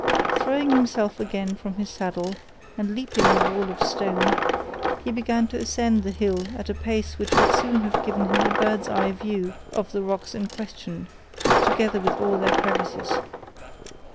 Throwing himself again from his saddle, and leaping a wall of stone, he began to ascend the hill at a pace which would soon have given him a bird's eye view of the rocks in question, together with all their crevices.